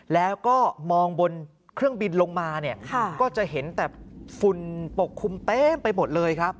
แล้วก็มองบนเครื่องบินลงมาเนี่ยก็จะเห็นแต่ฝุ่นปกคลุมเต็มไปหมดเลยครับ